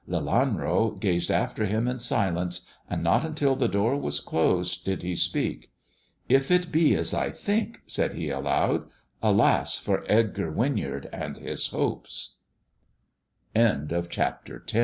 Lelanro gazed after him in silence, and not until the door was closed did he speak. "If it be as I think," said he aloud, "alas for Edgar Winyard and his hop